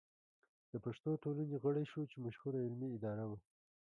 د پښتو ټولنې غړی شو چې مشهوره علمي اداره وه.